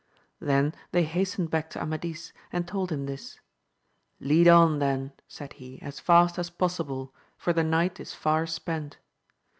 Then they hastened back to Amadis and told him this ; lead on, then, said he, as fast as possible, for the night is far spent.